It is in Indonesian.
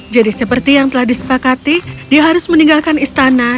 jadi seperti yang telah disepakati dia harus meninggalkan istana